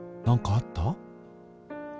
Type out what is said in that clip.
何かあった？